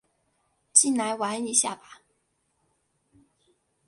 进来玩一下吧